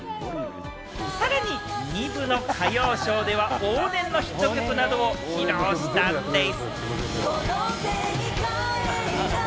さらに２部は、歌謡ショーでは往年のヒット曲などを披露したんです。